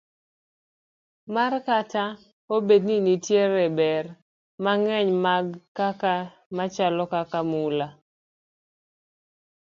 mar Kata obedo ni nitie ber mang'eny mag gik machalo kaka mula,